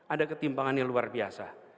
ada ketimpangan yang luar biasa